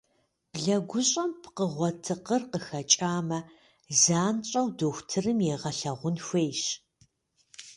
Блэгущӏэм пкъыгъуэ тыкъыр къыхэкӏамэ, занщӏэу дохутырым егъэлъэгъун хуейщ.